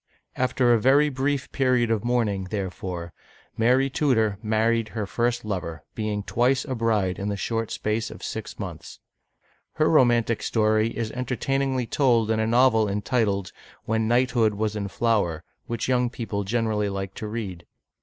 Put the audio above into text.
After a very brief period of mourning, therefore, Mary Tudor married her first lover, being twice a bride in the short space of six months. Her romantic story is entertainingly told in a novel entitled, W/ien Knight hood was in Flower^ which young people generally like to read.